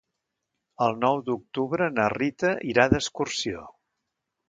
El nou d'octubre na Rita irà d'excursió.